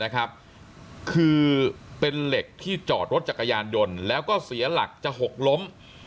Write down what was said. คือเป็นเหล็กที่จอดรถจักรยานยนต์แล้วก็เสียหลักจะหกล้ม